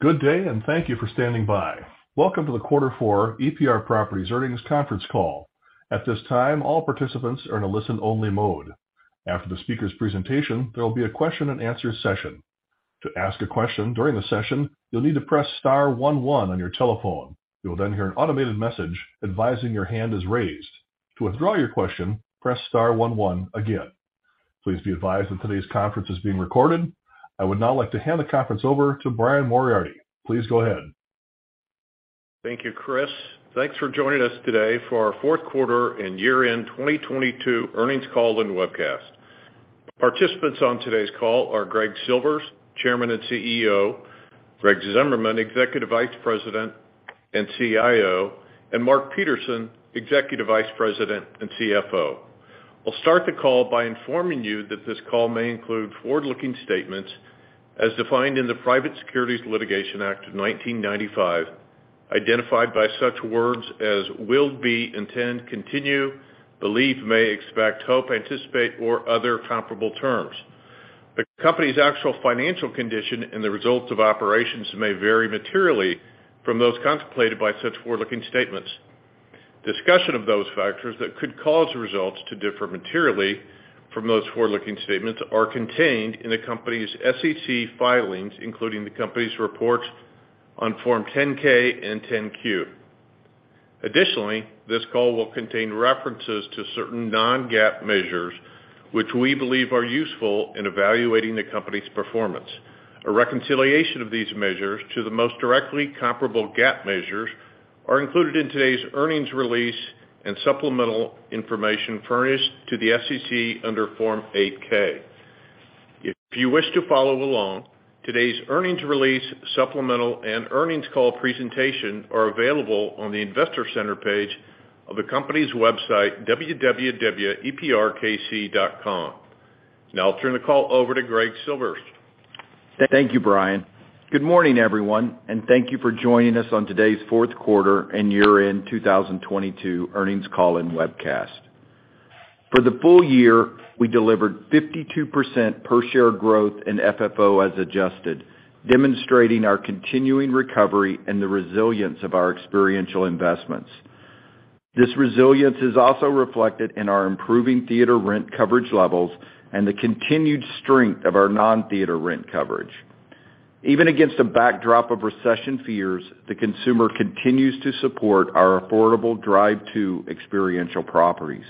Good day. Thank you for standing by. Welcome to the Q4 EPR Properties Earnings Conference Call. At this time, all participants are in a listen-only mode. After the speaker's presentation, there will be a question-and-answer session. To ask a question during the session, you'll need to press star one one on your telephone. You will then hear an automated message advising your hand is raised. To withdraw your question, press star one one again. Please be advised that today's conference is being recorded. I would now like to hand the conference over to Brian Moriarty. Please go ahead. Thank you, Chris. Thanks for joining us today for our fourth quarter and year-end 2022 earnings call and webcast. Participants on today's call are Greg Silvers, Chairman and CEO, Greg Zimmerman, Executive Vice President and CIO, and Mark Peterson, Executive Vice President and CFO. We'll start the call by informing you that this call may include forward-looking statements as defined in the Private Securities Litigation Reform Act of 1995, identified by such words as will be, intend, continue, believe, may, expect, hope, anticipate, or other comparable terms. The company's actual financial condition and the results of operations may vary materially from those contemplated by such forward-looking statements. Discussion of those factors that could cause results to differ materially from those forward-looking statements are contained in the company's SEC filings, including the company's reports on Form 10-K and 10-Q. Additionally, this call will contain references to certain non-GAAP measures which we believe are useful in evaluating the company's performance. A reconciliation of these measures to the most directly comparable GAAP measures are included in today's earnings release and supplemental information furnished to the SEC under Form 8-K. If you wish to follow along, today's earnings release, supplemental and earnings call presentation are available on the investor center page of the company's website, www.eprkc.com. I'll turn the call over to Greg Silvers. Thank you, Brian. Good morning, everyone, and thank you for joining us on today's fourth quarter and year-end 2022 earnings call and webcast. For the full-year, we delivered 52% per share growth in FFO as adjusted, demonstrating our continuing recovery and the resilience of our experiential investments. This resilience is also reflected in our improving theater rent coverage levels and the continued strength of our non-theater rent coverage. Even against a backdrop of recession fears, the consumer continues to support our affordable drive to experiential properties.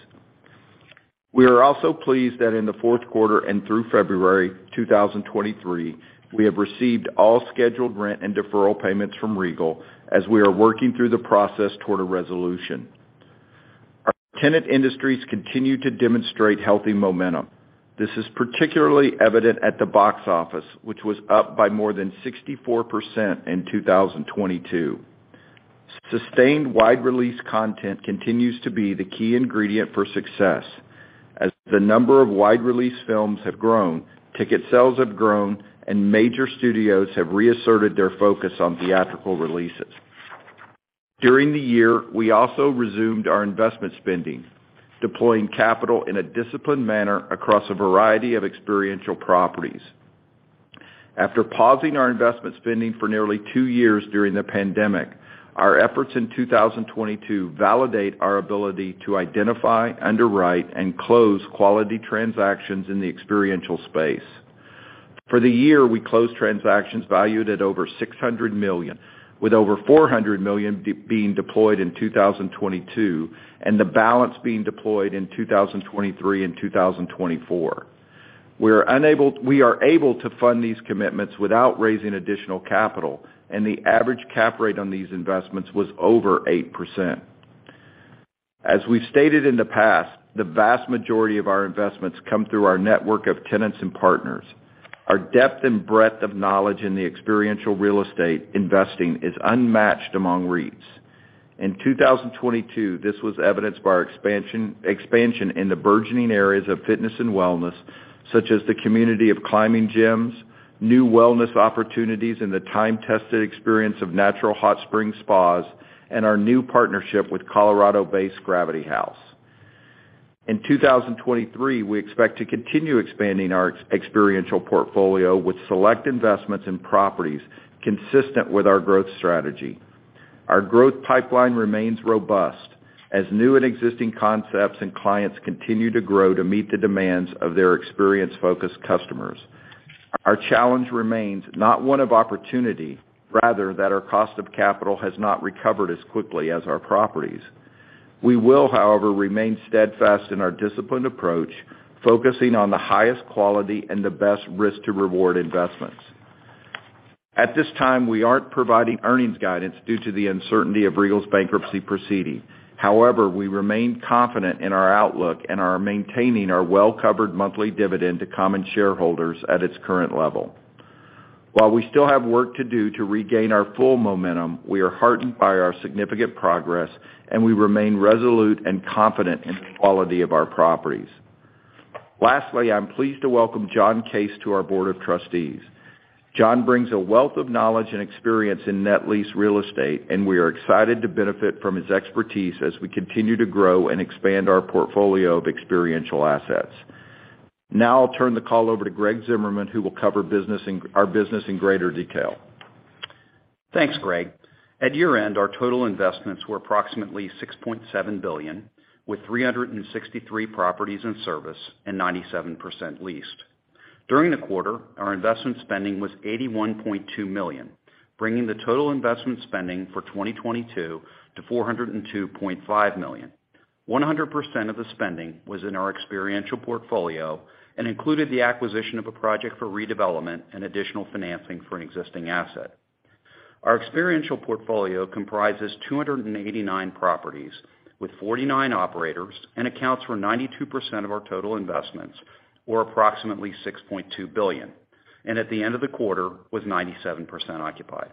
We are also pleased that in the fourth quarter and through February 2023, we have received all scheduled rent and deferral payments from Regal as we are working through the process toward a resolution. Our tenant industries continue to demonstrate healthy momentum. This is particularly evident at the box office, which was up by more than 64% in 2022. Sustained wide release content continues to be the key ingredient for success. As the number of wide release films have grown, ticket sales have grown, and major studios have reasserted their focus on theatrical releases. During the year, we also resumed our investment spending, deploying capital in a disciplined manner across a variety of experiential properties. After pausing our investment spending for nearly two years during the pandemic, our efforts in 2022 validate our ability to identify, underwrite, and close quality transactions in the experiential space. For the year, we closed transactions valued at over $600 million, with over $400 million being deployed in 2022, and the balance being deployed in 2023 and 2024. We are able to fund these commitments without raising additional capital, and the average cap rate on these investments was over 8%. As we've stated in the past, the vast majority of our investments come through our network of tenants and partners. Our depth and breadth of knowledge in the experiential real estate investing is unmatched among REITs. In 2022, this was evidenced by our expansion in the burgeoning areas of fitness and wellness, such as the community of climbing gyms, new wellness opportunities in the time-tested experience of natural hot spring spas, and our new partnership with Colorado-based Gravity Haus. In 2023, we expect to continue expanding our experiential portfolio with select investments in properties consistent with our growth strategy. Our growth pipeline remains robust as new and existing concepts and clients continue to grow to meet the demands of their experience-focused customers. Our challenge remains not one of opportunity, rather that our cost of capital has not recovered as quickly as our properties. We will, however, remain steadfast in our disciplined approach, focusing on the highest quality and the best risk to reward investments. At this time, we aren't providing earnings guidance due to the uncertainty of Regal's bankruptcy proceeding. We remain confident in our outlook and are maintaining our well-covered monthly dividend to common shareholders at its current level. While we still have work to do to regain our full momentum, we are heartened by our significant progress, and we remain resolute and confident in the quality of our properties. Lastly, I'm pleased to welcome John Case to our Board of Trustees. John brings a wealth of knowledge and experience in net lease real estate, and we are excited to benefit from his expertise as we continue to grow and expand our portfolio of experiential assets. I'll turn the call over to Greg Zimmerman, who will cover our business in greater detail. Thanks, Greg. At year-end, our total investments were approximately $6.7 billion, with 363 properties and service, and 97% leased. During the quarter, our investment spending was $81.2 million, bringing the total investment spending for 2022 to $402.5 million. 100% of the spending was in our experiential portfolio and included the acquisition of a project for redevelopment and additional financing for an existing asset. Our experiential portfolio comprises 289 properties with 49 operators and accounts for 92% of our total investments, or approximately $6.2 billion, and at the end of the quarter, was 97% occupied.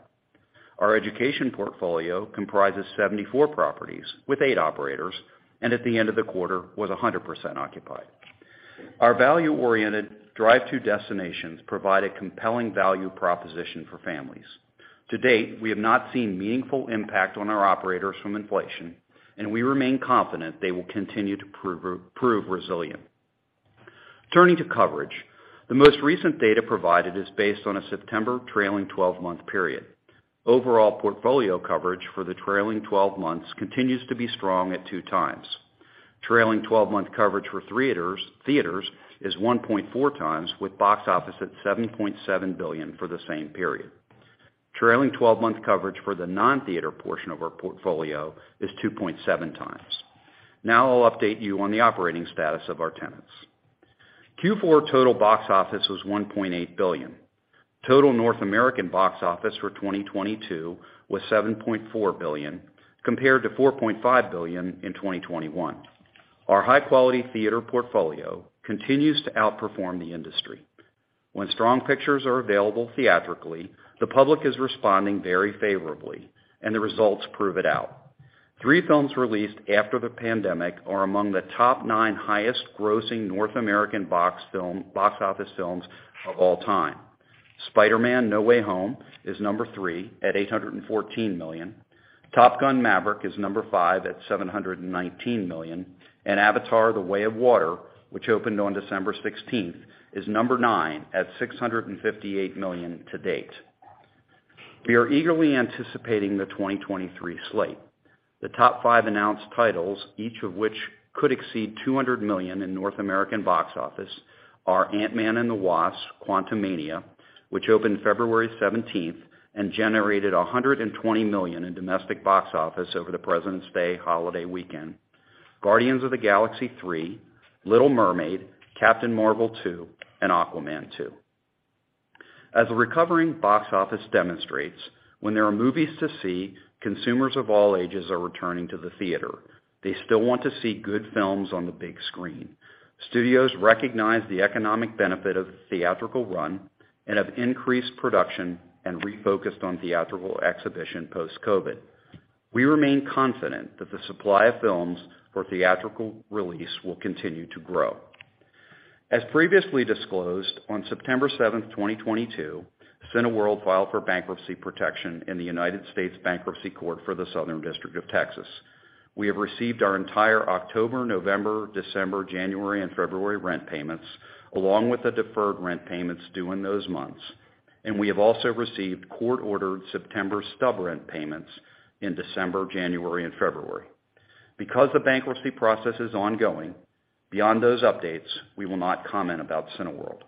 Our education portfolio comprises 74 properties with eight operators, and at the end of the quarter was 100% occupied. Our value-oriented drive to destinations provide a compelling value proposition for families. To date, we have not seen meaningful impact on our operators from inflation, and we remain confident they will continue to prove resilient. Turning to coverage. The most recent data provided is based on a September trailing 12-month period. Overall portfolio coverage for the trailing 12 months continues to be strong at 2x. Trailing 12-month coverage for theaters is 1.4x, with box office at $7.7 billion for the same period. Trailing 12-month coverage for the non-theater portion of our portfolio is 2.7x. Now I'll update you on the operating status of our tenants. Q4 total box office was $1.8 billion. Total North American box office for 2022 was $7.4 billion, compared to $4.5 billion in 2021. Our high-quality theater portfolio continues to outperform the industry. When strong pictures are available theatrically, the public is responding very favorably, and the results prove it out. Three films released after the pandemic are among the top nine highest grossing North American box office films of all time. Spider-Man: No Way Home is number three at $814 million. Top Gun: Maverick is number five at $719 million. Avatar: The Way of Water, which opened on December 16th, is number nine at $658 million to date. We are eagerly anticipating the 2023 slate. The top five announced titles, each of which could exceed $200 million in North American box office, are Ant-Man and the Wasp: Quantumania, which opened February 17th and generated $120 million in domestic box office over the Presidents' Day holiday weekend, Guardians of the Galaxy Vol. 3, The Little Mermaid, The Marvels, and Aquaman and the Lost Kingdom. As the recovering box office demonstrates, when there are movies to see, consumers of all ages are returning to the theater. They still want to see good films on the big screen. Studios recognize the economic benefit of theatrical run and have increased production and refocused on theatrical exhibition post-COVID-19. We remain confident that the supply of films for theatrical release will continue to grow. As previously disclosed, on September 7th, 2022, Cineworld filed for bankruptcy protection in the United States Bankruptcy Court for the Southern District of Texas. We have received our entire October, November, December, January, and February rent payments, along with the deferred rent payments due in those months. We have also received court-ordered September stub rent payments in December, January, and February. Because the bankruptcy process is ongoing, beyond those updates, we will not comment about Cineworld.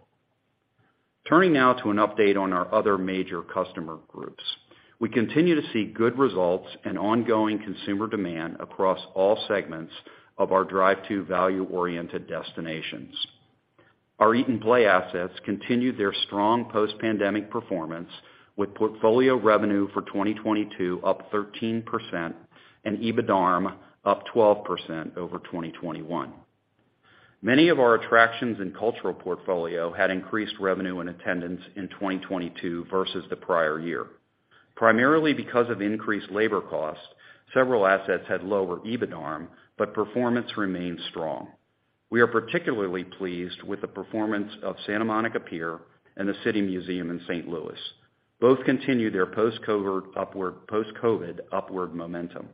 Turning now to an update on our other major customer groups. We continue to see good results and ongoing consumer demand across all segments of our drive to value-oriented destinations. Our Eat and Play assets continued their strong post-pandemic performance, with portfolio revenue for 2022 up 13% and EBITDARM up 12% over 2021. Many of our attractions and cultural portfolio had increased revenue and attendance in 2022 versus the prior year. Primarily because of increased labor costs, several assets had lower EBITDARM, but performance remained strong. We are particularly pleased with the performance of Santa Monica Pier and the City Museum in St. Louis. Both continue their post-COVID upward momentum.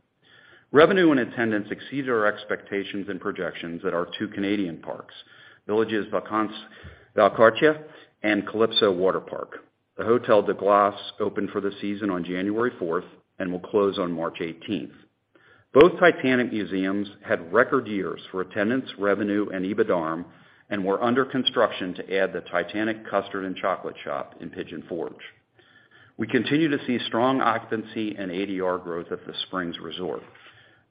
Revenue and attendance exceeded our expectations and projections at our two Canadian parks, Village Vacances Valcartier and Calypso Waterpark. The Hôtel de Glace opened for the season on January 4th and will close on March 18th. Both Titanic museums had record years for attendance, revenue, and EBITDARM and were under construction to add the Titanic Custard and Chocolate Shop in Pigeon Forge. We continue to see strong occupancy and ADR growth at The Springs Resort.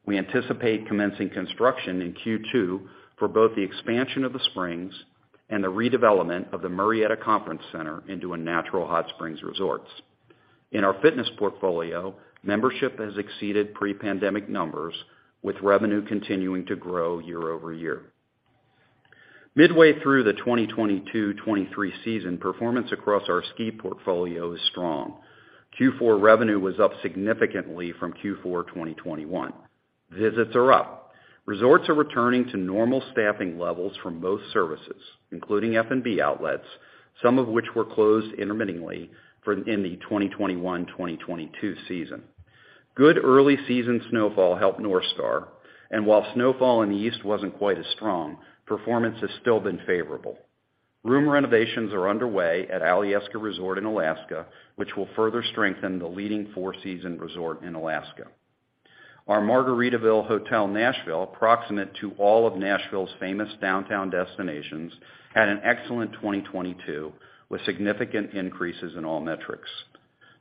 We anticipate commencing construction in Q2 for both the expansion of The Springs and the redevelopment of the Murrieta Conference Center into a natural hot springs resorts. In our fitness portfolio, membership has exceeded pre-pandemic numbers, with revenue continuing to grow year-over-year. Midway through the 2022, 2023 season, performance across our ski portfolio is strong. Q4 revenue was up significantly from Q4 2021. Visits are up. Resorts are returning to normal staffing levels for most services, including F&B outlets, some of which were closed intermittently in the 2021, 2022 season. Good early season snowfall helped Northstar. While snowfall in the east wasn't quite as strong, performance has still been favorable. Room renovations are underway at Alyeska Resort in Alaska, which will further strengthen the leading four-season resort in Alaska. Our Margaritaville Hotel Nashville, proximate to all of Nashville's famous downtown destinations, had an excellent 2022, with significant increases in all metrics.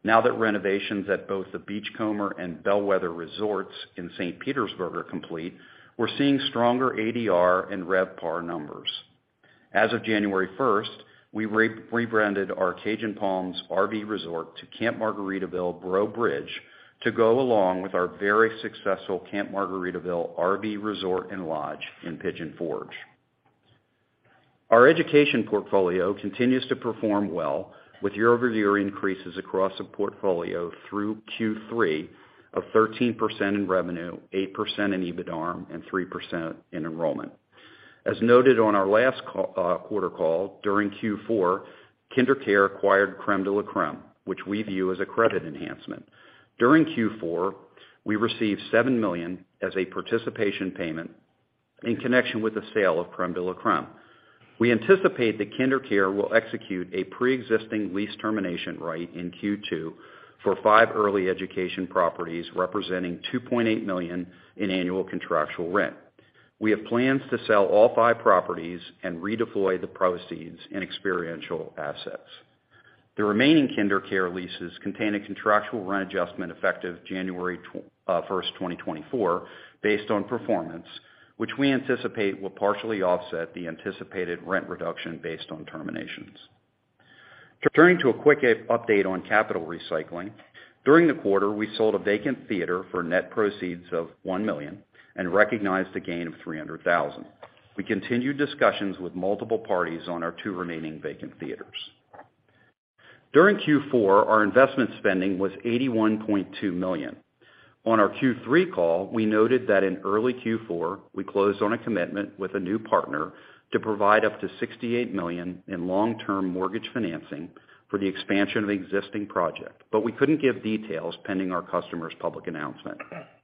Now that renovations at both the Beachcomber and Bellwether Resorts in St. Petersburg are complete, we're seeing stronger ADR and RevPAR numbers. As of January 1st, we rebranded our Cajun Palms RV Resort to Camp Margaritaville Breaux Bridge to go along with our very successful Camp Margaritaville RV Resort and Lodge in Pigeon Forge. Our education portfolio continues to perform well, with year-over-year increases across the portfolio through Q3 of 13% in revenue, 8% in EBITDARM, and 3% in enrollment. As noted on our last quarter call, during Q4, KinderCare acquired Crème de la Crème, which we view as a credit enhancement. During Q4, we received $7 million as a participation payment in connection with the sale of Crème de la Crème. We anticipate that KinderCare will execute a preexisting lease termination right in Q2 for five early education properties, representing $2.8 million in annual contractual rent. We have plans to sell all five properties and redeploy the proceeds in experiential assets. The remaining KinderCare leases contain a contractual rent adjustment effective January 1st, 2024, based on performance, which we anticipate will partially offset the anticipated rent reduction based on terminations. Turning to a quick update on capital recycling. During the quarter, we sold a vacant theater for net proceeds of $1 million and recognized a gain of $300,000. We continued discussions with multiple parties on our two remaining vacant theaters. During Q4, our investment spending was $81.2 million. On our Q3 call, we noted that in early Q4, we closed on a commitment with a new partner to provide up to $68 million in long-term mortgage financing for the expansion of an existing project, but we couldn't give details pending our customer's public announcement.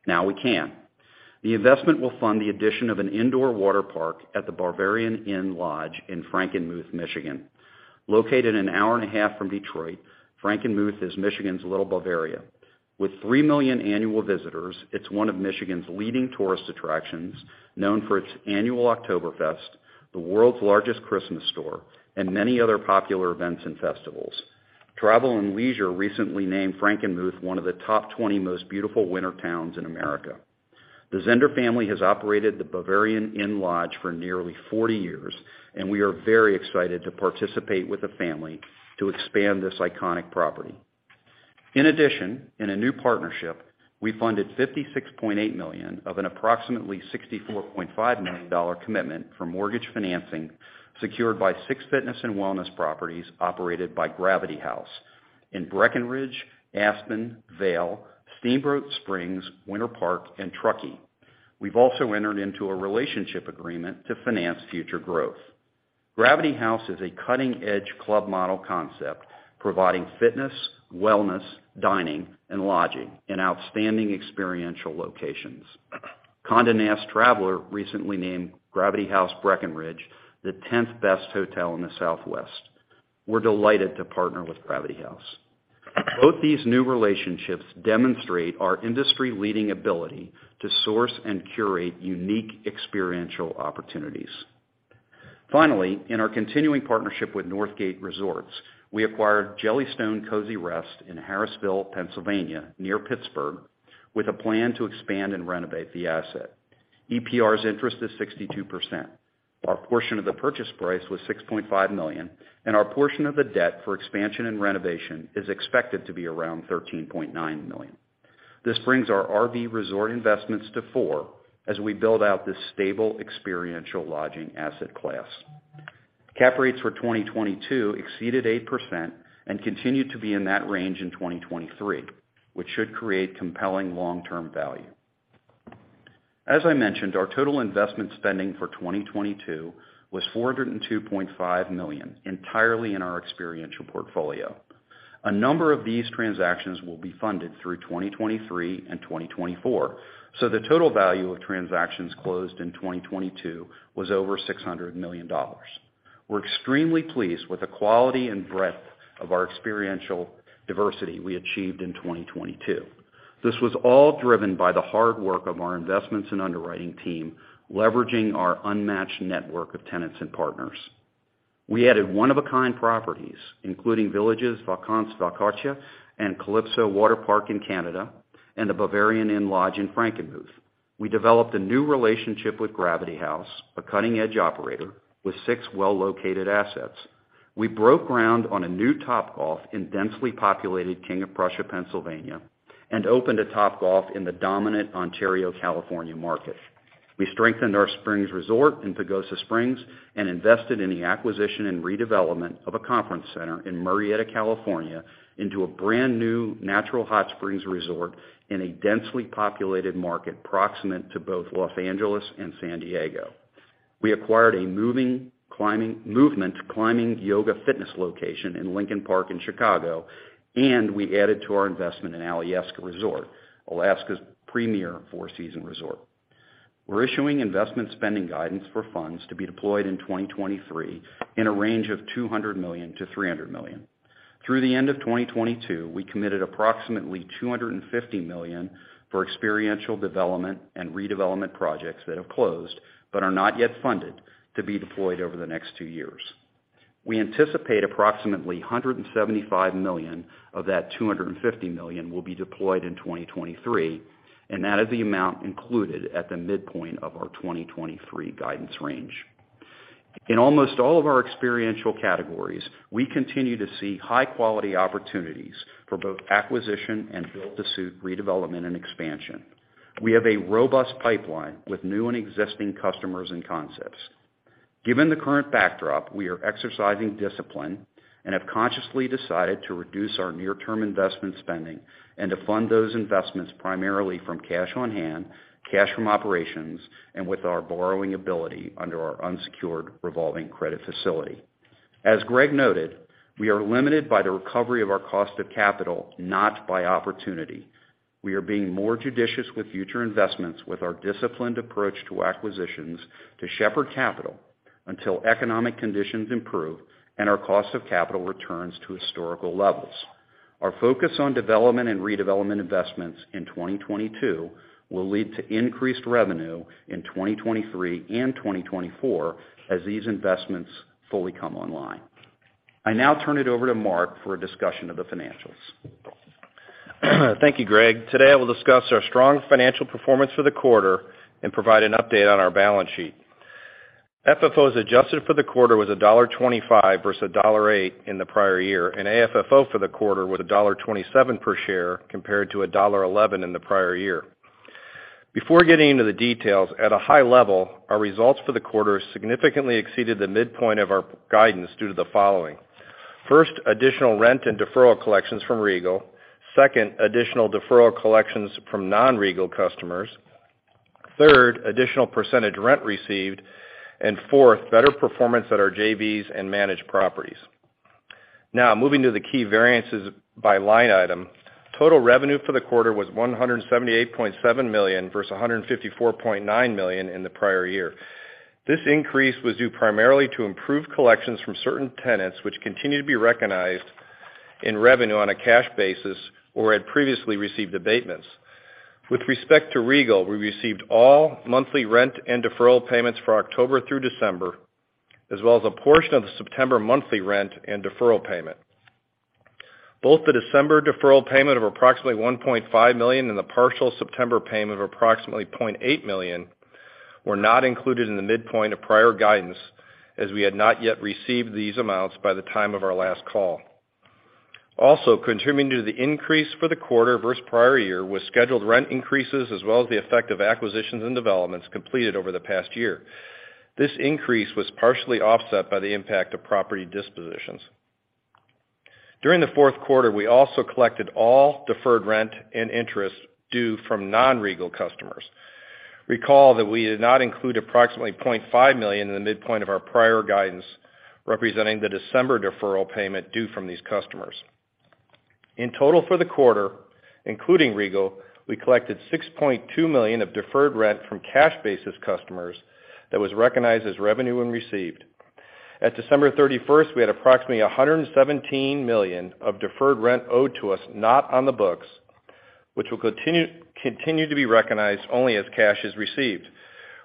Now we can. The investment will fund the addition of an indoor water park at the Bavarian Inn Lodge in Frankenmuth, Michigan. Located an hour and a half from Detroit, Frankenmuth is Michigan's Little Bavaria. With 3 million annual visitors, it's one of Michigan's leading tourist attractions, known for its annual Oktoberfest, the world's largest Christmas store, and many other popular events and festivals. Travel + Leisure recently named Frankenmuth one of the top 20 most beautiful winter towns in America. The Zehnder family has operated the Bavarian Inn Lodge for nearly 40 years, and we are very excited to participate with the family to expand this iconic property. In addition, in a new partnership, we funded $56.8 million of an approximately $64.5 million commitment for mortgage financing secured by six fitness and wellness properties operated by Gravity Haus in Breckenridge, Aspen, Vail, Steamboat Springs, Winter Park, and Truckee. We've also entered into a relationship agreement to finance future growth. Gravity Haus is a cutting-edge club model concept providing fitness, wellness, dining, and lodging in outstanding experiential locations. Condé Nast Traveler recently named Gravity Haus Breckenridge the 10th-best hotel in the Southwest. We're delighted to partner with Gravity Haus. Both these new relationships demonstrate our industry-leading ability to source and curate unique experiential opportunities. Finally, in our continuing partnership with Northgate Resorts, we acquired Jellystone Kozy Rest in Harrisville, Pennsylvania, near Pittsburgh, with a plan to expand and renovate the asset. EPR's interest is 62%. Our portion of the purchase price was $6.5 million. Our portion of the debt for expansion and renovation is expected to be around $13.9 million. This brings our RV resort investments to four as we build out this stable experiential lodging asset class. Cap rates for 2022 exceeded 8% and continue to be in that range in 2023, which should create compelling long-term value. As I mentioned, our total investment spending for 2022 was $402.5 million, entirely in our experiential portfolio. A number of these transactions will be funded through 2023 and 2024. The total value of transactions closed in 2022 was over $600 million. We're extremely pleased with the quality and breadth of our experiential diversity we achieved in 2022. This was all driven by the hard work of our investments and underwriting team, leveraging our unmatched network of tenants and partners. We added one-of-a-kind properties, including Village Vacances Valcartier and Calypso Waterpark in Canada and the Bavarian Inn Lodge in Frankenmuth. We developed a new relationship with Gravity Haus, a cutting-edge operator with six well-located assets. We broke ground on a new Topgolf in densely populated King of Prussia, Pennsylvania, and opened a Topgolf in the dominant Ontario, California market. We strengthened our Springs Resort in Pagosa Springs and invested in the acquisition and redevelopment of a conference center in Murrieta, California, into a brand-new natural hot springs resort in a densely populated market proximate to both Los Angeles and San Diego. We acquired a Movement Climbing, Yoga & Fitness location in Lincoln Park in Chicago. We added to our investment in Alyeska Resort, Alaska's premier four-season resort. We're issuing investment spending guidance for funds to be deployed in 2023 in a range of $200 million-$300 million. Through the end of 2022, we committed approximately $250 million for experiential development and redevelopment projects that have closed but are not yet funded to be deployed over the next two years. We anticipate approximately $175 million of that $250 million will be deployed in 2023, and that is the amount included at the midpoint of our 2023 guidance range. In almost all of our experiential categories, we continue to see high-quality opportunities for both acquisition and build-to-suit redevelopment and expansion. We have a robust pipeline with new and existing customers and concepts. Given the current backdrop, we are exercising discipline and have consciously decided to reduce our near-term investment spending and to fund those investments primarily from cash on hand, cash from operations, and with our borrowing ability under our unsecured revolving credit facility. As Greg noted, we are limited by the recovery of our cost of capital, not by opportunity. We are being more judicious with future investments with our disciplined approach to acquisitions to shepherd capital until economic conditions improve and our cost of capital returns to historical levels. Our focus on development and redevelopment investments in 2022 will lead to increased revenue in 2023 and 2024 as these investments fully come online. I now turn it over to Mark for a discussion of the financials. Thank you, Greg. Today, I will discuss our strong financial performance for the quarter and provide an update on our balance sheet. FFO as adjusted for the quarter was $1.25 versus $1.08 in the prior year, and AFFO for the quarter was $1.27 per share compared to $1.11 in the prior year. Before getting into the details, at a high level, our results for the quarter significantly exceeded the midpoint of our guidance due to the following. First, additional rent and deferral collections from Regal. Second, additional deferral collections from non-Regal customers. Third, additional percentage rent received. Fourth, better performance at our JVs and managed properties. Now, moving to the key variances by line item. Total revenue for the quarter was $178.7 million versus $154.9 million in the prior year. This increase was due primarily to improved collections from certain tenants, which continue to be recognized in revenue on a cash basis or had previously received abatements. With respect to Regal, we received all monthly rent and deferral payments for October through December, as well as a portion of the September monthly rent and deferral payment. Both the December deferral payment of approximately $1.5 million and the partial September payment of approximately $0.8 million were not included in the midpoint of prior guidance as we had not yet received these amounts by the time of our last call. Contributing to the increase for the quarter versus prior year was scheduled rent increases as well as the effect of acquisitions and developments completed over the past year. This increase was partially offset by the impact of property dispositions. During the fourth quarter, we also collected all deferred rent and interest due from non-Regal customers. Recall that we did not include approximately $0.5 million in the midpoint of our prior guidance, representing the December deferral payment due from these customers. In total for the quarter, including Regal, we collected $6.2 million of deferred rent from cash basis customers that was recognized as revenue when received. At December 31st, we had approximately $117 million of deferred rent owed to us, not on the books, which will continue to be recognized only as cash is received.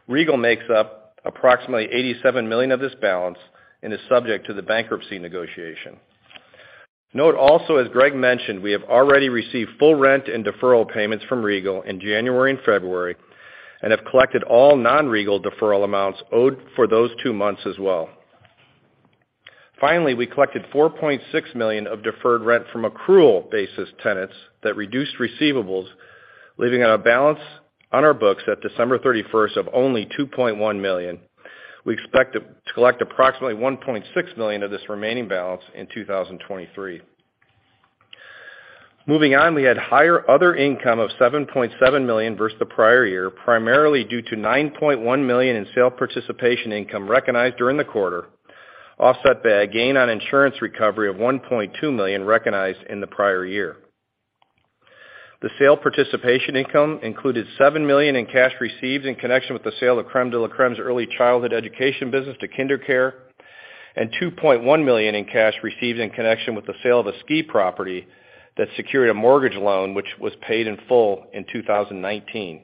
Regal makes up approximately $87 million of this balance and is subject to the bankruptcy negotiation. Note, as Greg mentioned, we have already received full rent and deferral payments from Regal in January and February and have collected all non-Regal deferral amounts owed for those two months as well. We collected $4.6 million of deferred rent from accrual basis tenants that reduced receivables, leaving a balance on our books at December 31st of only $2.1 million. We expect to collect approximately $1.6 million of this remaining balance in 2023. We had higher other income of $7.7 million versus the prior year, primarily due to $9.1 million in sale participation income recognized during the quarter, offset by a gain on insurance recovery of $1.2 million recognized in the prior year. The sale participation income included $7 million in cash received in connection with the sale of Crème de la Crème's early childhood education business to KinderCare, and $2.1 million in cash received in connection with the sale of a ski property that secured a mortgage loan, which was paid in full in 2019.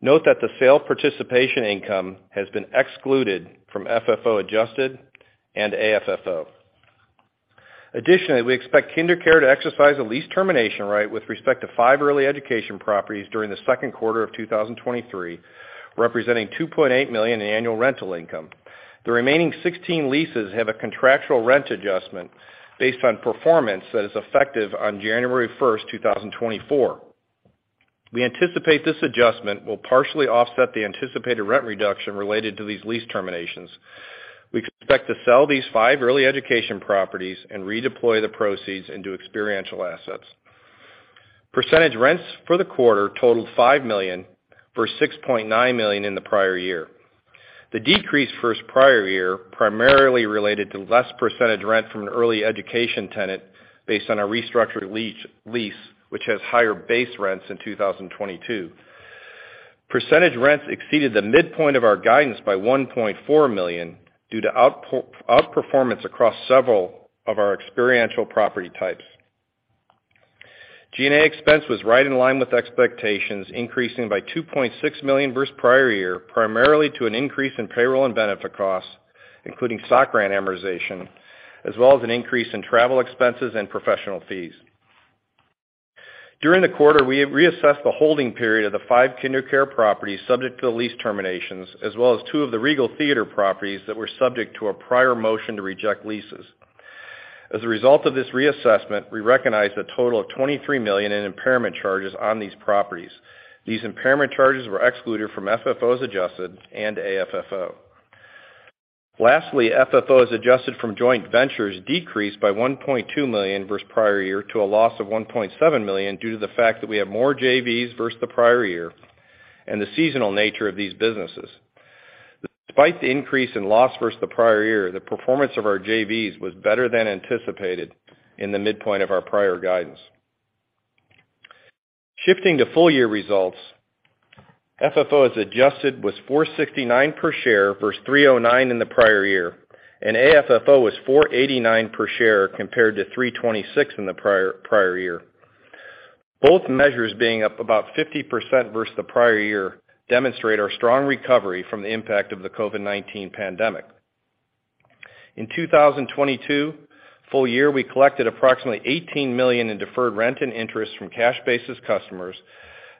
Note that the sale participation income has been excluded from FFO as adjusted and AFFO. Additionally, we expect KinderCare to exercise a lease termination right with respect to five early education properties during the second quarter of 2023, representing $2.8 million in annual rental income. The remaining 16 leases have a contractual rent adjustment based on performance that is effective on January 1st, 2024. We anticipate this adjustment will partially offset the anticipated rent reduction related to these lease terminations. We expect to sell these five early education properties and redeploy the proceeds into experiential assets. Percentage rents for the quarter totaled $5 million versus $6.9 million in the prior year. The decrease first prior year primarily related to less percentage rent from an early education tenant based on a restructured lease, which has higher base rents in 2022. Percentage rents exceeded the midpoint of our guidance by $1.4 million due to outperformance across several of our experiential property types. G&A expense was right in line with expectations, increasing by $2.6 million versus prior year, primarily to an increase in payroll and benefit costs, including SBC grant amortization, as well as an increase in travel expenses and professional fees. During the quarter, we reassessed the holding period of the five KinderCare properties subject to the lease terminations, as well as two of the Regal Theater properties that were subject to a prior motion to reject leases. As a result of this reassessment, we recognized a total of $23 million in impairment charges on these properties. These impairment charges were excluded from FFO as adjusted and AFFO. FFO as adjusted from joint ventures decreased by $1.2 million versus prior year to a loss of $1.7 million due to the fact that we have more JVs versus the prior year and the seasonal nature of these businesses. Despite the increase in loss versus the prior year, the performance of our JVs was better than anticipated in the midpoint of our prior guidance. Shifting to full-year results, FFO as adjusted was $4.69 per share versus $3.09 in the prior year, and AFFO was $4.89 per share compared to $3.26 in the prior year. Both measures being up about 50% versus the prior year demonstrate our strong recovery from the impact of the COVID-19 pandemic. In 2022 full-year, we collected approximately $18 million in deferred rent and interest from cash basis customers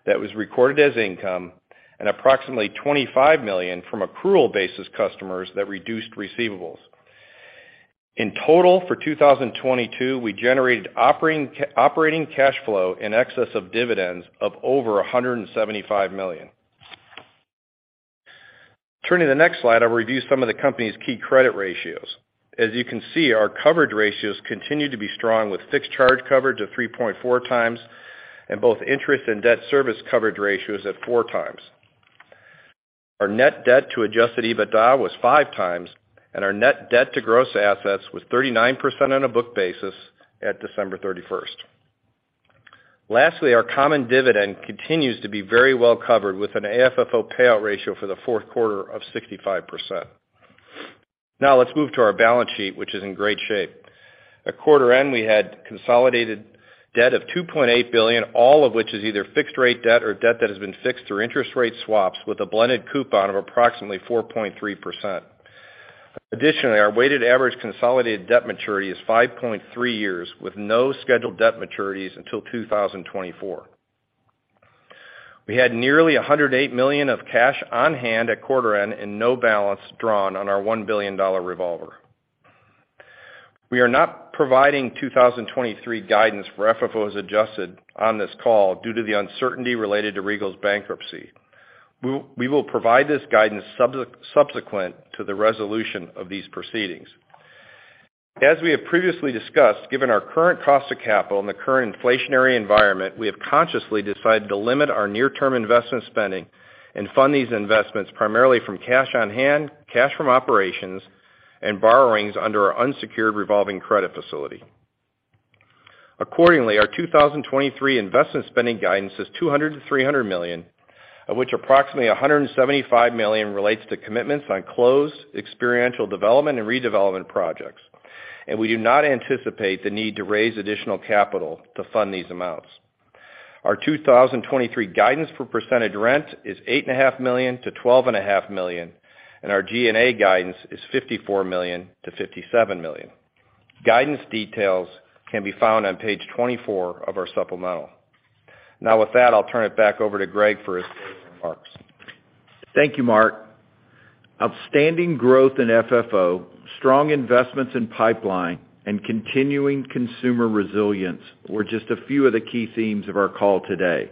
that was recorded as income, and approximately $25 million from accrual basis customers that reduced receivables. In total, for 2022, we generated operating cash flow in excess of dividends of over $175 million. Turning to the next slide, I'll review some of the company's key credit ratios. As you can see, our coverage ratios continue to be strong with fixed charge coverage of 3.4x and both interest and debt service coverage ratios at 4x. Our net debt to adjusted EBITDA was 5x, and our net debt to gross assets was 39% on a book basis at December 31st. Lastly, our common dividend continues to be very well covered with an AFFO payout ratio for the fourth quarter of 65%. Let's move to our balance sheet, which is in great shape. At quarter end, we had consolidated debt of $2.8 billion, all of which is either fixed rate debt or debt that has been fixed through interest rate swaps with a blended coupon of approximately 4.3%. Additionally, our weighted average consolidated debt maturity is 5.3 years, with no scheduled debt maturities until 2024. We had nearly $108 million of cash on hand at quarter end and no balance drawn on our $1 billion revolver. We are not providing 2023 guidance for FFO as adjusted on this call due to the uncertainty related to Regal's bankruptcy. We will provide this guidance subsequent to the resolution of these proceedings. As we have previously discussed, given our current cost of capital in the current inflationary environment, we have consciously decided to limit our near-term investment spending and fund these investments primarily from cash on hand, cash from operations, and borrowings under our unsecured revolving credit facility. Accordingly, our 2023 investment spending guidance is $200 million-$300 million, of which approximately $175 million relates to commitments on closed experiential development and redevelopment projects. We do not anticipate the need to raise additional capital to fund these amounts. Our 2023 guidance for percentage rent is $8.5 million-$12.5 million. Our G&A guidance is $54 million-$57 million. Guidance details can be found on page 24 of our supplemental. Now, with that, I'll turn it back over to Greg for his closing remarks. Thank you, Mark. Outstanding growth in FFO, strong investments in pipeline, and continuing consumer resilience were just a few of the key themes of our call today.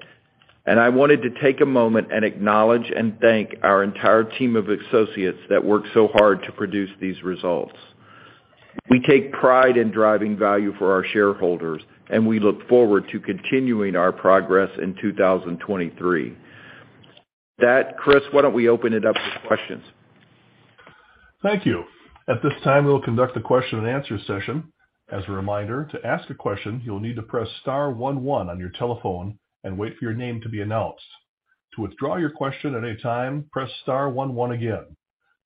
I wanted to take a moment and acknowledge and thank our entire team of associates that worked so hard to produce these results. We take pride in driving value for our shareholders, and we look forward to continuing our progress in 2023. Chris, why don't we open it up for questions? Thank you. At this time, we will conduct the question-and-answer session. As a reminder, to ask a question, you'll need to press star one one on your telephone and wait for your name to be announced. To withdraw your question at any time, press star one one again.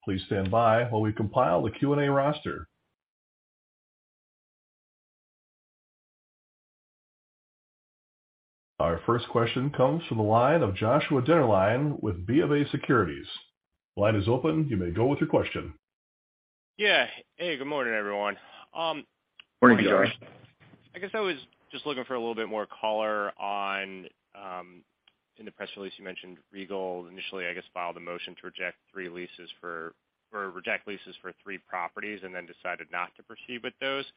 Please stand by while we compile the Q&A roster. Our first question comes from the line of Joshua Dennerlein with BofA Securities. Line is open. You may go with your question. Yeah. Hey, good morning, everyone. Morning, Josh. I guess I was just looking for a little bit more color on, in the press release you mentioned Regal initially, I guess, filed a motion to reject leases for three properties and then decided not to proceed with those. Is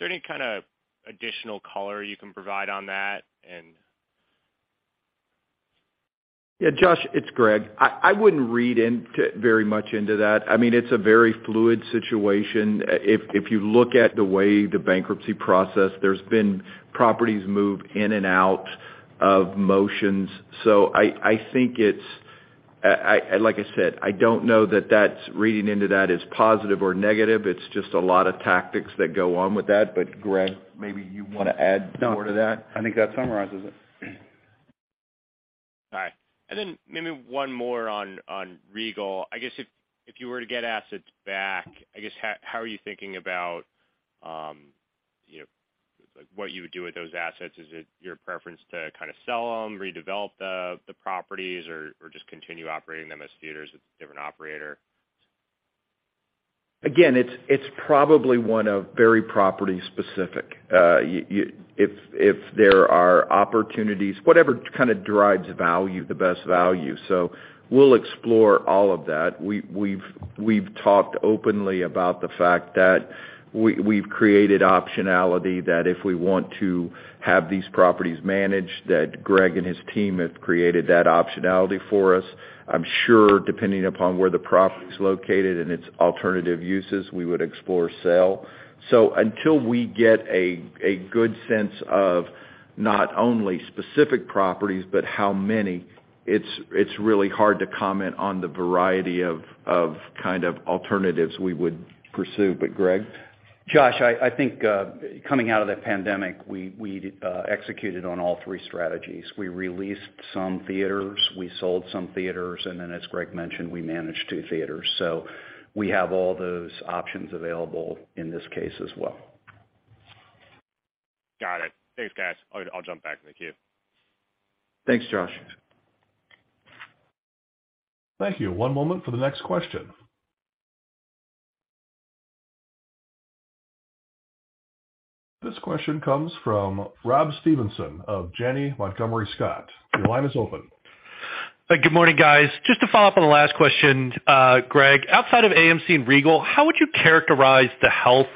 there any kind of additional color you can provide on that and. Yeah, Josh, it's Greg. I wouldn't read very much into that. I mean, it's a very fluid situation. If you look at the way the bankruptcy process, there's been properties move in and out of motions. I, like I said, I don't know that that's reading into that is positive or negative. It's just a lot of tactics that go on with that. Greg, maybe you wanna add more to that? No, I think that summarizes it. All right. Maybe one more on Regal. I guess if you were to get assets back, I guess how are you thinking about, you know, like what you would do with those assets? Is it your preference to kind of sell them, redevelop the properties, or just continue operating them as theaters with different operator? Again, it's probably one of very property specific. If there are opportunities, whatever kind of derives value, the best value. We'll explore all of that. We've talked openly about the fact that we've created optionality that if we want to have these properties managed, that Greg and his team have created that optionality for us. I'm sure depending upon where the property is located and its alternative uses, we would explore sale. Until we get a good sense of not only specific properties, but how many, it's really hard to comment on the variety of kind of alternatives we would pursue. Greg. Josh, I think coming out of the pandemic, we executed on all three strategies. We released some theaters, we sold some theaters, and then as Greg mentioned, we managed two theaters. We have all those options available in this case as well. Got it. Thanks, guys. I'll jump back in the queue. Thanks, Josh. Thank you. One moment for the next question. This question comes from Rob Stevenson of Janney Montgomery Scott. Your line is open. Good morning, guys. Just to follow up on the last question, Greg, outside of AMC and Regal, how would you characterize the health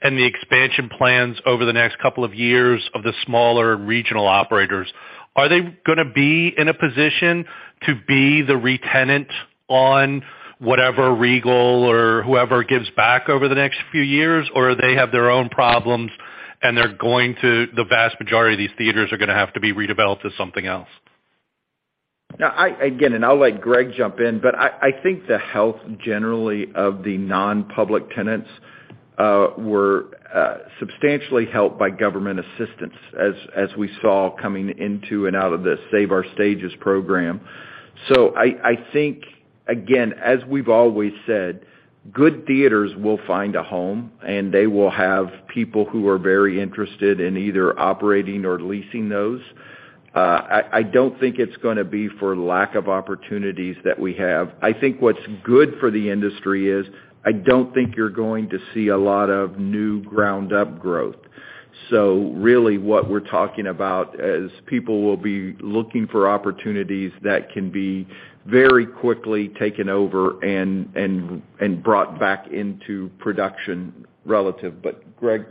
and the expansion plans over the next couple of years of the smaller regional operators? Are they gonna be in a position to be the retenant on whatever Regal or whoever gives back over the next few years? They have their own problems, and the vast majority of these theaters are gonna have to be redeveloped to something else? I, again, and I'll let Greg jump in, but I think the health generally of the non-public tenants, were substantially helped by government assistance as we saw coming into and out of the Save Our Stages program. I think, again, as we've always said, good theaters will find a home, and they will have people who are very interested in either operating or leasing those. I don't think it's gonna be for lack of opportunities that we have. I think what's good for the industry is I don't think you're going to see a lot of new ground up growth. Really what we're talking about is people will be looking for opportunities that can be very quickly taken over and brought back into production relative. Greg.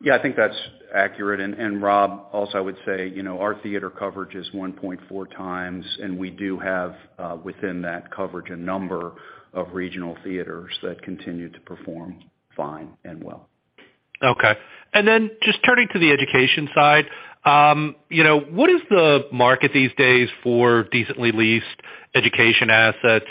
Yeah, I think that's accurate. Rob also, I would say, you know, our theater coverage is 1.4x, and we do have within that coverage, a number of regional theaters that continue to perform fine and well. Okay. Just turning to the education side, you know, what is the market these days for decently leased education assets?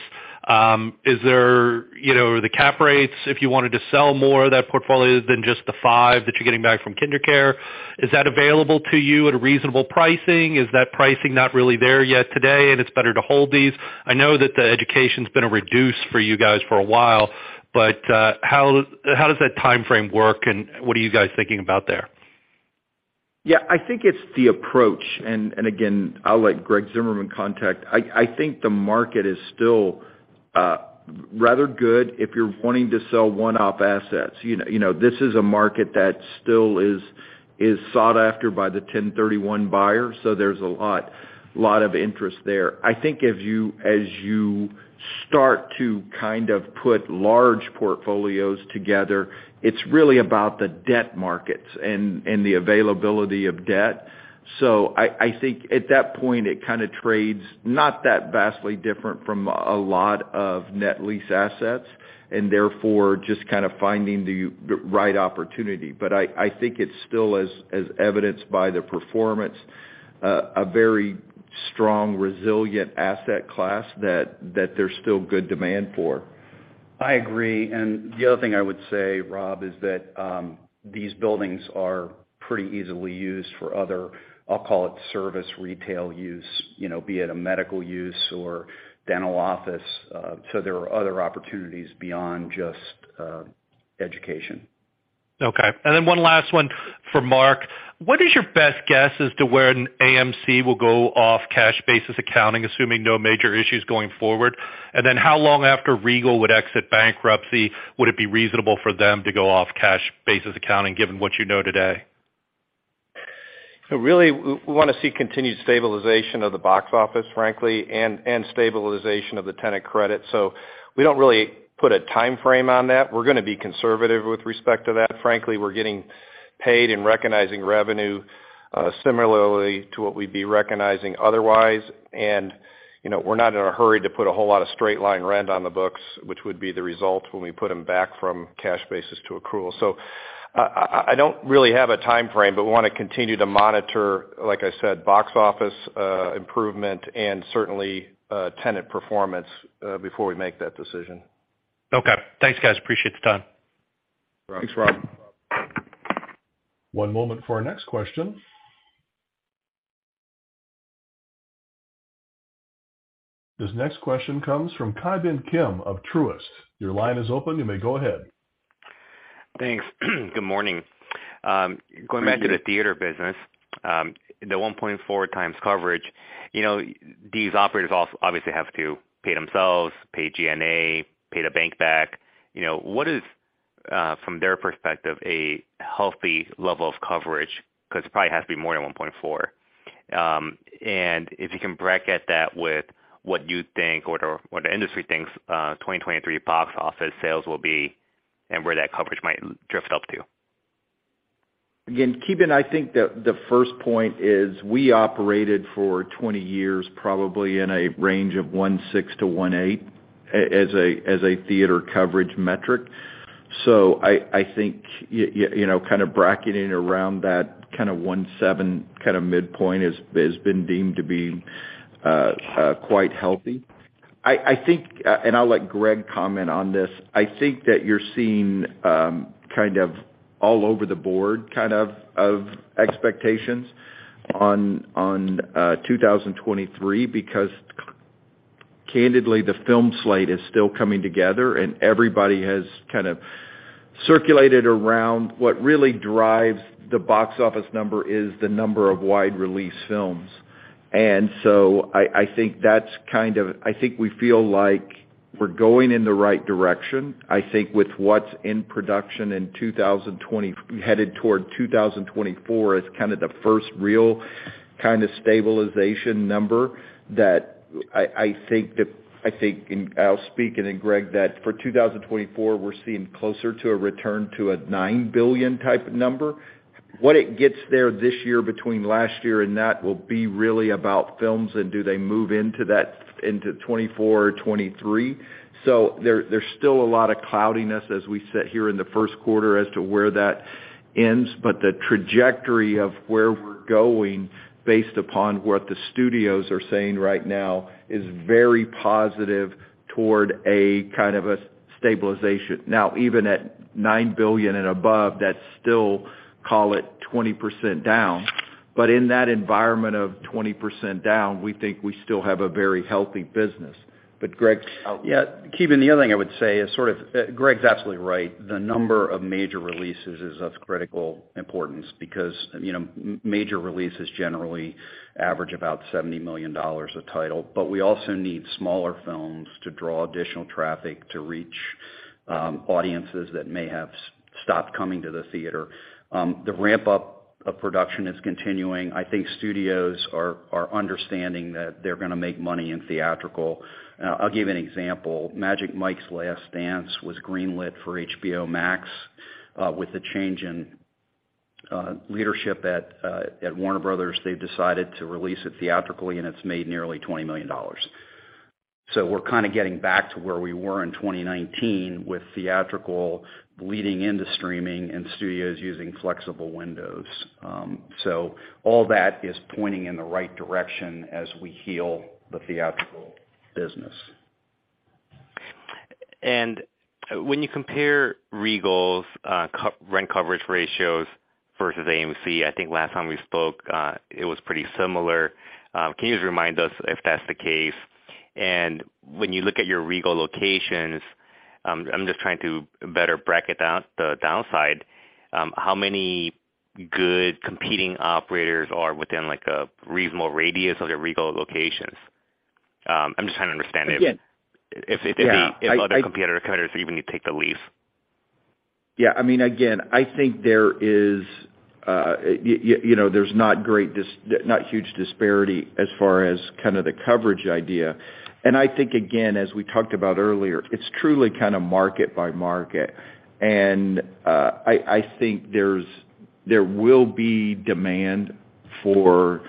Is there, you know, the cap rates, if you wanted to sell more of that portfolio than just the five that you're getting back from KinderCare, is that available to you at a reasonable pricing? Is that pricing not really there yet today, and it's better to hold these? I know that the education's been a reduce for you guys for a while, but, how does that timeframe work, and what are you guys thinking about there? Yeah, I think it's the approach. And again, I'll let Greg Zimmerman contact. I think the market is still rather good if you're wanting to sell one-op assets. You know, this is a market that still is sought after by the 1,031 buyer, so there's a lot of interest there. I think as you start to kind of put large portfolios together, it's really about the debt markets and the availability of debt. I think at that point, it kinda trades not that vastly different from a lot of net lease assets, and therefore just kind of finding the right opportunity. I think it's still, as evidenced by the performance, a very strong, resilient asset class that there's still good demand for. I agree. The other thing I would say, Rob, is that these buildings are pretty easily used for other, I'll call it service retail use, you know, be it a medical use or dental office. There are other opportunities beyond just education. Okay. One last one for Mark. What is your best guess as to when AMC will go off cash basis accounting, assuming no major issues going forward? How long after Regal would exit bankruptcy would it be reasonable for them to go off cash basis accounting, given what you know today? Really, we wanna see continued stabilization of the box office, frankly, and stabilization of the tenant credit. We don't really put a timeframe on that. We're gonna be conservative with respect to that. Frankly, we're getting paid and recognizing revenue, similarly to what we'd be recognizing otherwise. And, you know, we're not in a hurry to put a whole lot of straight line rent on the books, which would be the result when we put them back from cash basis to accrual. I don't really have a timeframe, but we wanna continue to monitor, like I said, box office improvement and certainly tenant performance before we make that decision. Okay. Thanks, guys. Appreciate the time. Thanks, Rob. One moment for our next question. This next question comes from Ki Bin Kim of Truist. Your line is open. You may go ahead. Thanks. Good morning. Going back to the theater business, the 1.4x coverage, you know, these operators obviously have to pay themselves, pay GNA, pay the bank back. You know, what is from their perspective, a healthy level of coverage? 'Cause it probably has to be more than 1.4x. And if you can bracket that with what you think or the industry thinks, 2023 box office sales will be and where that coverage might drift up to. Ki Bin, I think the first point is we operated for 20 years, probably in a range of 1.6x-1.8x as a theater coverage metric. I think, you know, kind of bracketing around that kind of 1.7x kinda midpoint has been deemed to be quite healthy. I think I'll let Greg comment on this. I think that you're seeing kind of all over the board kind of expectations on 2023 because candidly, the film slate is still coming together and everybody has kind of circulated around what really drives the box office number is the number of wide release films. I think that's kind of. I think we feel like we're going in the right direction. I think with what's in production headed toward 2024 as kind of the first real kinda stabilization number that I think, and I'll speak and then Greg, that for 2024, we're seeing closer to a return to a $9 billion type of number. What it gets there this year between last year and that will be really about films and do they move into that, into 2024 or 2023. There's still a lot of cloudiness as we sit here in the first quarter as to where that ends. The trajectory of where we're going based upon what the studios are saying right now is very positive toward a kind of a stabilization. Now, even at $9 billion and above, that's still, call it 20% down. In that environment of 20% down, we think we still have a very healthy business. Greg. Ki Bin, the other thing I would say is sort of, Greg's absolutely right. The number of major releases is of critical importance because, you know, major releases generally average about $70 million a title. We also need smaller films to draw additional traffic to reach audiences that may have stopped coming to the theater. The ramp up of production is continuing. I think studios are understanding that they're gonna make money in theatrical. I'll give you an example. Magic Mike's Last Dance was greenlit for HBO Max, with the change in leadership at Warner Bros., they've decided to release it theatrically, and it's made nearly $20 million. We're kinda getting back to where we were in 2019 with theatrical bleeding into streaming and studios using flexible windows. All that is pointing in the right direction as we heal the theatrical business. When you compare Regal's co-rent coverage ratios versus AMC, I think last time we spoke, it was pretty similar. Can you just remind us if that's the case? When you look at your Regal locations, I'm just trying to better bracket down the downside, how many good competing operators are within, like, a reasonable radius of your Regal locations? Again. If. Yeah. I. If other competitor cutters even take the lease. Yeah, I mean, again, I think there is, you know, there's not great not huge disparity as far as kinda the coverage idea. I think, again, as we talked about earlier, it's truly kinda market by market. I think there's, there will be demand for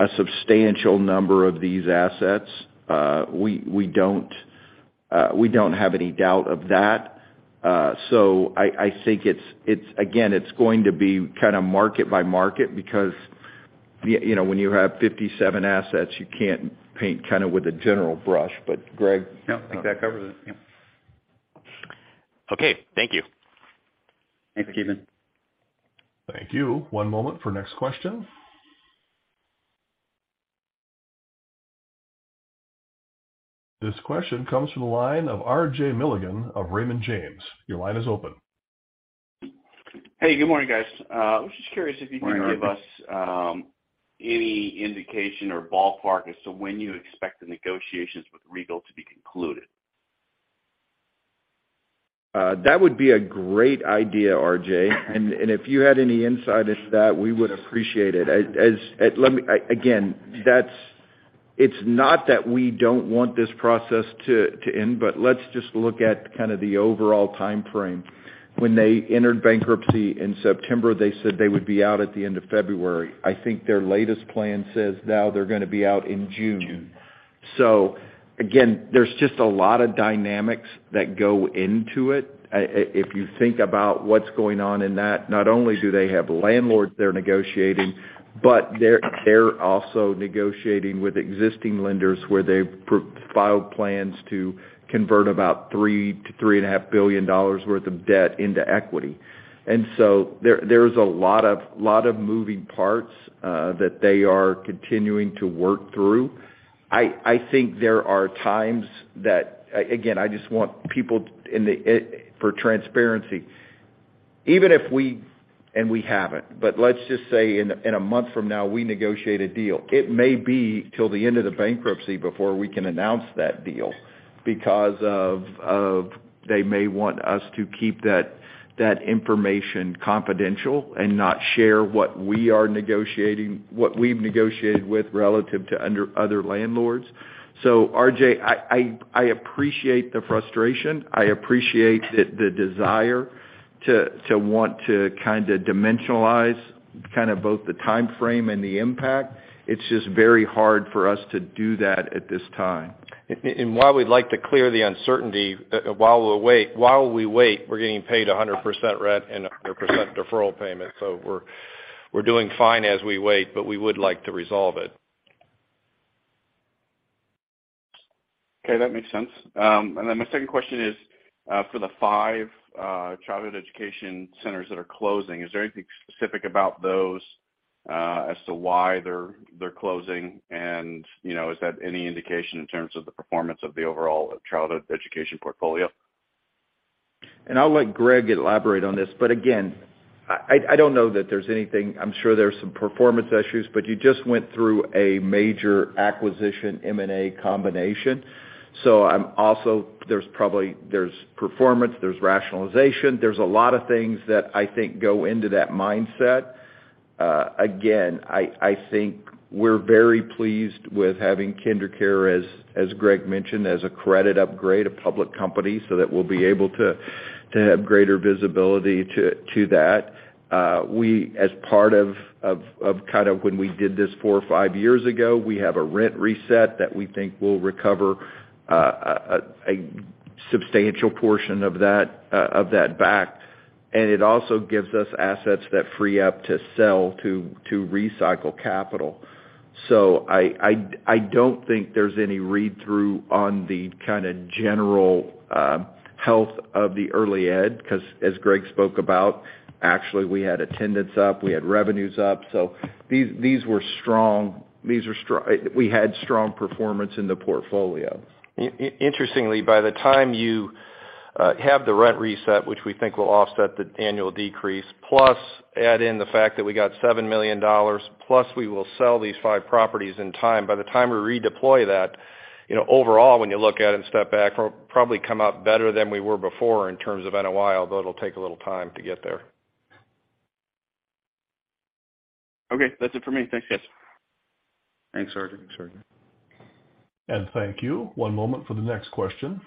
a substantial number of these assets. We, we don't, we don't have any doubt of that. I think it's, again, it's going to be kinda market by market because, you know, when you have 57 assets, you can't paint kinda with a general brush. Greg? No, I think that covers it. Yeah. Okay, thank you. Thanks, Ki Bin. Thank you. One moment for next question. This question comes from the line of RJ Milligan of Raymond James. Your line is open. Hey, good morning, guys. I was just curious if you can give us-. Morning, RJ. Any indication or ballpark as to when you expect the negotiations with Regal to be concluded? That would be a great idea, RJ. If you had any insight as to that, we would appreciate it. Again, it's not that we don't want this process to end, but let's just look at kind of the overall timeframe. When they entered bankruptcy in September, they said they would be out at the end of February. I think their latest plan says now they're going to be out in June. There's just a lot of dynamics that go into it. If you think about what's going on in that, not only do they have landlords they're negotiating, but they're also negotiating with existing lenders where they've filed plans to convert about $3 billion-$3.5 billion worth of debt into equity. There's a lot of moving parts that they are continuing to work through. I think there are times that again, I just want people for transparency. Even if we. We haven't, but let's just say in a month from now, we negotiate a deal. It may be till the end of the bankruptcy before we can announce that deal because of they may want us to keep that information confidential and not share what we are negotiating, what we've negotiated with relative to under other landlords. RJ, I appreciate the frustration. I appreciate the desire to want to kinda dimensionalize both the timeframe and the impact. It's just very hard for us to do that at this time. While we'd like to clear the uncertainty, while we wait, we're getting paid 100% rent and 100% deferral payment. We're doing fine as we wait. We would like to resolve it. Okay, that makes sense. My second question is, for the five childhood education centers that are closing, is there anything specific about those as to why they're closing? You know, is that any indication in terms of the performance of the overall childhood education portfolio? I'll let Greg elaborate on this, but again, I don't know that there's anything. I'm sure there's some performance issues, but you just went through a major acquisition M&A combination. There's probably, there's performance, there's rationalization, there's a lot of things that I think go into that mindset. Again, I think we're very pleased with having KinderCare, as Greg mentioned, as a credit upgrade, a public company, so that we'll be able to have greater visibility to that. We, as part of kind of when we did this four or five years ago, we have a rent reset that we think will recover a substantial portion of that back. It also gives us assets that free up to sell to recycle capital. I don't think there's any read-through on the kind of general health of the early ed, because as Greg spoke about, actually we had attendance up, we had revenues up, these were strong. We had strong performance in the portfolio. Interestingly, by the time you have the rent reset, which we think will offset the annual decrease, plus add in the fact that we got $7 million, plus we will sell these five properties in time. By the time we redeploy that, you know, overall, when you look at it and step back, we'll probably come out better than we were before in terms of NOI, although it'll take a little time to get there. Okay. That's it for me. Thanks, guys. Thanks, RJ. Thanks, RJ. Thank you. One moment for the next question.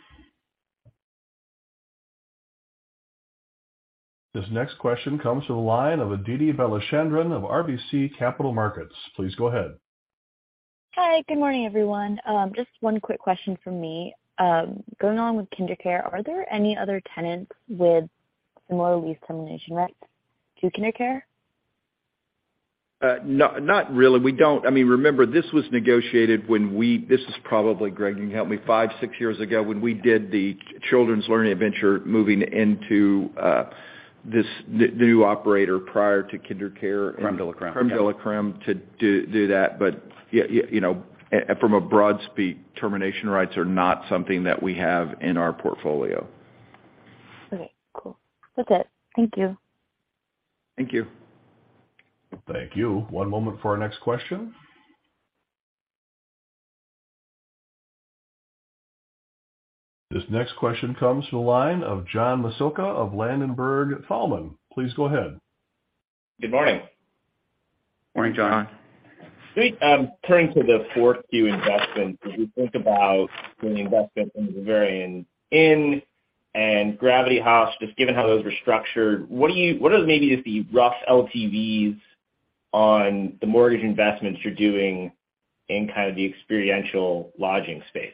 This next question comes to the line of Aditi Balachandran of RBC Capital Markets. Please go ahead. Hi. Good morning, everyone. Just one quick question from me. Going on with KinderCare, are there any other tenants with similar lease termination rents to KinderCare? not really. We don't. I mean, remember, this was negotiated when we. This is probably, Greg, you can help me, five, six years ago when we did the Children's Learning Adventure moving into this new operator prior to KinderCare and. Crème de la Crème. Crème de la Crème to do that. Yeah, you know, from a broad speak, termination rights are not something that we have in our portfolio. Okay, cool. That's it. Thank you. Thank you. Thank you. One moment for our next question. This next question comes to the line of John Massocca of Ladenburg Thalmann. Please go ahead. Good morning. Morning, John. Sweet. Turning to the 4Q investments, as we think about doing investments in the Bavarian Inn and Gravity Haus, just given how those were structured, what are maybe just the rough LTVs on the mortgage investments you're doing in kind of the experiential lodging space?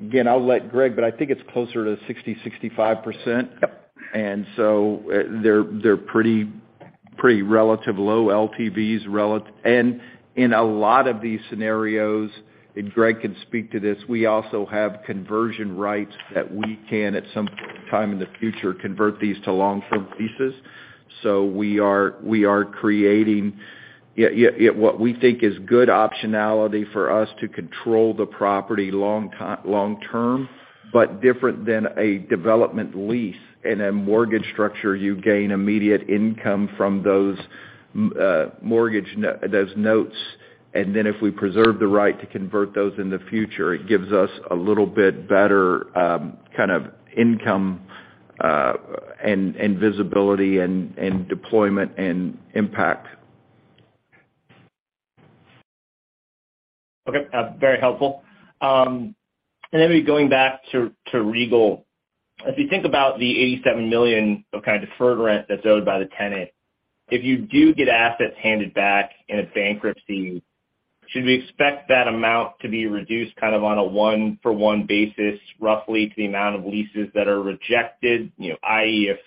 Again, I'll let Greg, but I think it's closer to 60%-65%. Yep. They're pretty relative low LTVs. In a lot of these scenarios, Greg can speak to this, we also have conversion rights that we can, at some time in the future, convert these to long-term leases. We are creating yeah, yeah, what we think is good optionality for us to control the property long term, but different than a development lease. In a mortgage structure, you gain immediate income from those mortgage notes. If we preserve the right to convert those in the future, it gives us a little bit better kind of income, and visibility and deployment and impact. Okay. Very helpful. Then maybe going back to Regal. If you think about the $87 million of kind of deferred rent that's owed by the tenant, if you do get assets handed back in a bankruptcy, should we expect that amount to be reduced kind of on a one for one basis, roughly to the amount of leases that are rejected? You know, i.e., if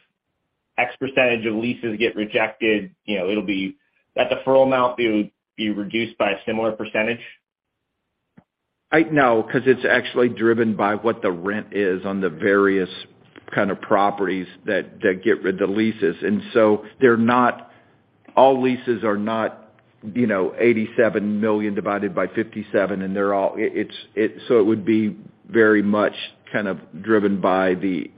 X% of leases get rejected, That deferral amount be reduced by a similar percentage? No, 'cause it's actually driven by what the rent is on the various kind of properties that get rid of the leases. All leases are not, you know, $87 million divided by 57. It would be very much kind of driven by the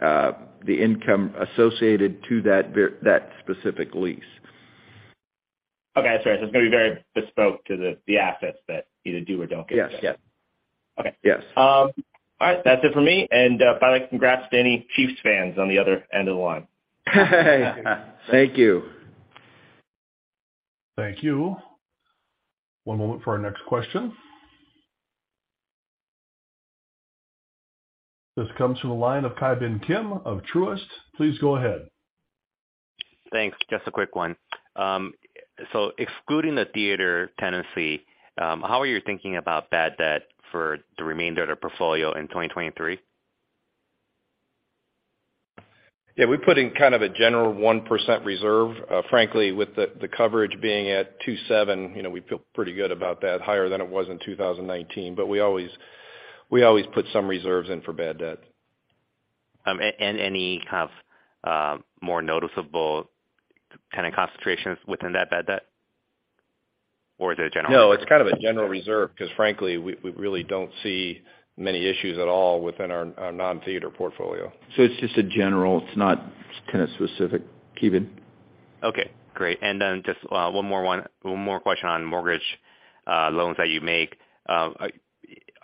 income associated to that specific lease. Okay. That's right. It's gonna be very bespoke to the assets that either do or don't get it. Yes. Yes. Okay. Yes. All right, that's it for me. Finally, congrats to any Chiefs fans on the other end of the line. Thank you. Thank you. One moment for our next question. This comes from the line of Ki Bin Kim of Truist. Please go ahead. Thanks. Just a quick one. Excluding the theater tenancy, how are you thinking about bad debt for the remainder of the portfolio in 2023? Yeah, we put in kind of a general 1% reserve. Frankly, with the coverage being at 2.7x, you know, we feel pretty good about that, higher than it was in 2019. We always put some reserves in for bad debt. Any kind of, more noticeable kind of concentrations within that bad debt or is it a general? No, it's kind of a general reserve because frankly, we really don't see many issues at all within our non-theater portfolio. It's just a general, it's not kind of specific, Ki Bin. Okay, great. Just, one more question on mortgage loans that you make.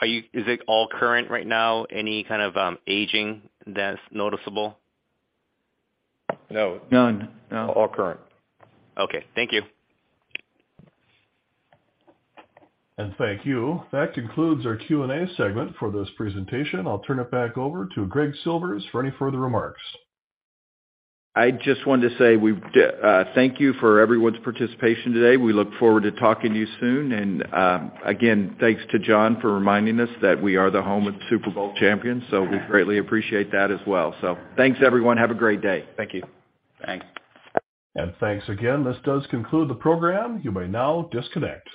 Is it all current right now? Any kind of aging that's noticeable? No. None. No. All current. Okay. Thank you. Thank you. That concludes our Q&A segment for this presentation. I'll turn it back over to Greg Silvers for any further remarks. I just wanted to say thank you for everyone's participation today. We look forward to talking to you soon. again, thanks to John for reminding us that we are the home of the Super Bowl champions, we greatly appreciate that as well. thanks, everyone. Have a great day. Thank you. Thanks. Thanks again. This does conclude the program. You may now disconnect.